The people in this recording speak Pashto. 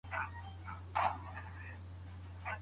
بیرغ بې رنګونو نه دی.